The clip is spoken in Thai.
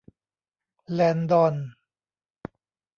แลนดอน